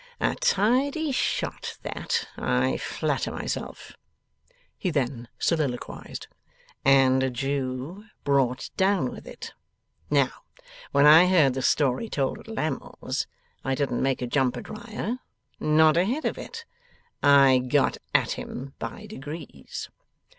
'A tidy shot that, I flatter myself,' he then soliloquised. 'And a Jew brought down with it! Now, when I heard the story told at Lammle's, I didn't make a jump at Riah. Not a hit of it; I got at him by degrees.